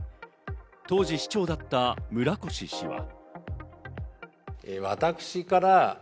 当時、市長だった村越氏は。